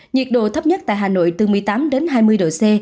nhiệt độ thấp nhất tại hà nội từ một mươi tám đến hai mươi độ c